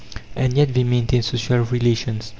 And yet they maintain social relations.